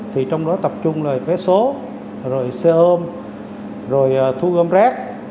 thì trong đó tập trung là vé số rồi xe ôm rồi thu gom rác